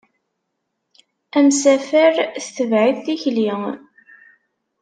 Amsafer tetbeɛ-it tikli.